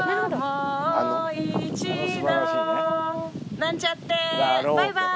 なんちゃってバイバーイ！